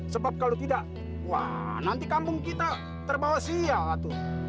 sebab kalau tidak wah nanti kampung kita terbawa siatu